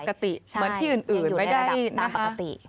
ดูเป็นปกติเหมือนที่อื่นไม่ได้นะฮะ